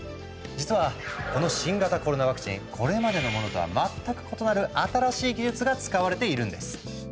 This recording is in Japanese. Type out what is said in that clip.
実はこの新型コロナワクチンこれまでのものとは全く異なる新しい技術が使われているんです。